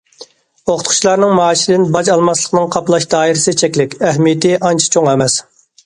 ئوقۇتقۇچىلارنىڭ مائاشىدىن باج ئالماسلىقنىڭ قاپلاش دائىرىسى چەكلىك، ئەھمىيىتى ئانچە چوڭ ئەمەس.